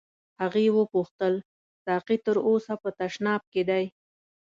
هغې وپوښتل ساقي تر اوسه په تشناب کې دی.